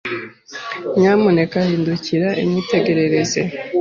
Nyamuneka hindukira unyitegereze.